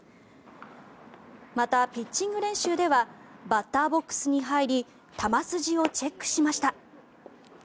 また、ピッチング練習ではバッターボックスに入り球筋をチェックしました。